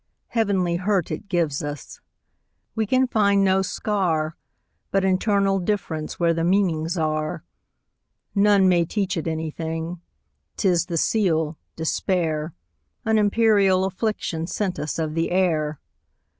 Heavenly hurt it gives us; We can find no scar, But internal differenceWhere the meanings are. None may teach it anything,'T is the seal, despair,—An imperial afflictionSent us of the air.